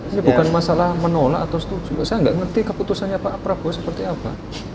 ini bukan masalah menolak atau setuju saya nggak ngerti keputusannya pak prabowo seperti apa